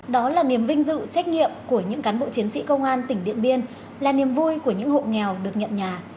đó là niềm vinh dự trách nhiệm của những cán bộ chiến sĩ công an tỉnh điện biên là niềm vui của những hộ nghèo được nhận nhà